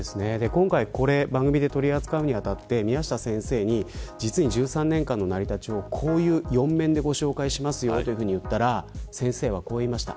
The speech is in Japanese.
番組で取り扱うに当たって宮下先生に１３年間の成り立ちをこういうふうに紹介しますと言ったら先生はこう言いました。